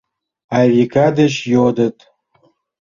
— Айвика деч йодыт.